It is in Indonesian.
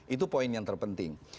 itu poin yang terpenting